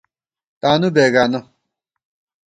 تانُو بېگانہ